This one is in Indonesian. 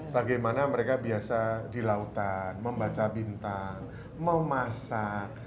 bagaimana mereka biasa di lautan membaca bintang memasak